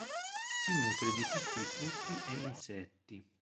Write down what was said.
Si nutre di piccoli frutti e insetti.